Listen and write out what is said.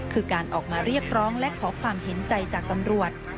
คือการออกมาเรียกร้องและขอความเห็นใจจากตำรวจ